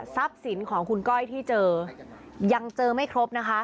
สินของคุณก้อยที่เจอยังเจอไม่ครบนะคะ